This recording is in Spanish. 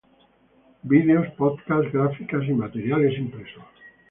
Videos, podcasts, gráficas y materiales impresos.